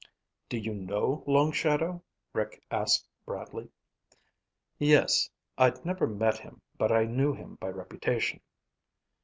"Do you know Long Shadow?" Rick asked Bradley. "Yes. I'd never met him, but I knew him by reputation."